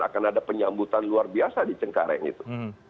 akan ada penyambutan luar biasa di cengkareng itu